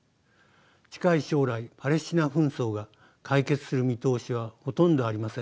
近い将来パレスチナ紛争が解決する見通しはほとんどありません。